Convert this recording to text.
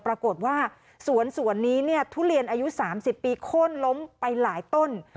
ปรากฏว่าสวนสวนนี้เนี่ยทุเรียนอายุ๓๐ปีโค้นล้มไปหลายต้น